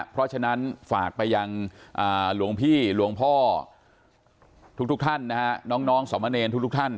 เพราะฉะนั้นฝากไปยังหลวงพี่หลวงพ่อทุกท่านนะฮะน้องสมเนรทุกท่าน